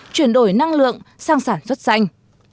chuyển đổi năng lượng sang sản xuất xanh